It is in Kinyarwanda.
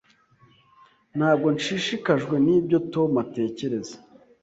Ntabwo nshishikajwe nibyo Tom atekereza.